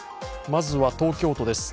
まずは東京都です。